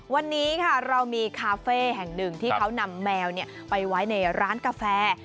วันนี้ค่ะเรามีคาเฟ่แห่งหนึ่งที่เขานำแมวไปไว้ในร้านกาแฟ